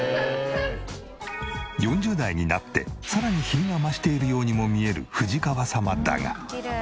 ４０代になってさらに品が増しているようにも見える藤川様だが。